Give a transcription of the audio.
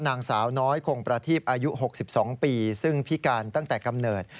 นางสาวน้อยคงประทีปอายุ๖๒ปีซึ่งพิการตั้งแต่กำเนิด